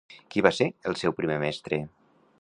Qui va ser el seu primer mestre?